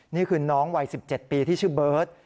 นี่คือน้องวัย๑๗ปีที่ชื่อเบิร์ต